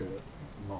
まあ。